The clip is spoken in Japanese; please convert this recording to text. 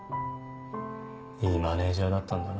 いいマネジャーだったんだな。